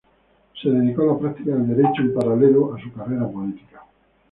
Se dedicó a la práctica del derecho en paralelo a su carrera política.